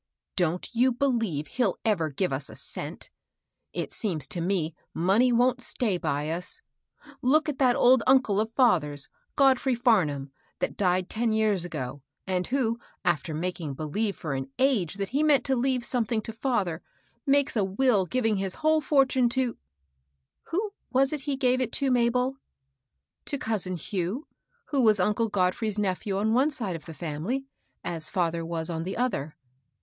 " Don't you believe he'll ever give us a cent ! It seems to me money wont stay by us. Look at that old uncle of father's, Godfrey Farnum, that died ten years ago, and who, after making believe for an age that he meant to leave something to &ther, makes a will glaring his whole fortune to — who was it he gave it to, Mabel ?"" To cousin Hugh, who was uncle Godfrey's nephew on one side of the family, as father was on the other."